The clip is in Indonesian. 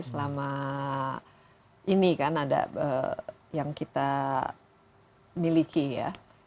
selama ini kan ada yang kita miliki ya